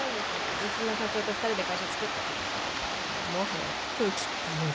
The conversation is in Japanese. うちの社長と２人で会社つくったってだけでもはや空気っていうか。